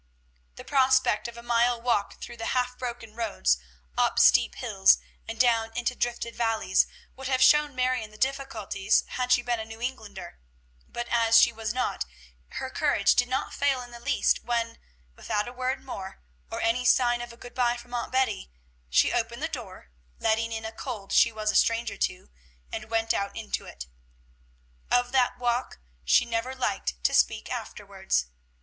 The prospect of a mile walk through the half broken roads, up steep hills, and down into drifted valleys, would have shown Marion the difficulties had she been a New Englander; but as she was not, her courage did not fail in the least when, without a word more, or any sign of a good by from Aunt Betty, she opened the door, letting in a cold she was a stranger to, and went out into it. Of that walk she never liked to speak afterwards.